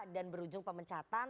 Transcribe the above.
dan berujung pemecatan